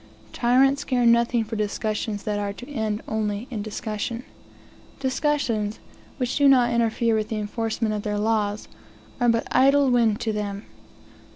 Tyrants care nothing for discussions that are to end only in discussion. Discussions, which do not interfere with the enforcement of their laws, are but idle wind to them.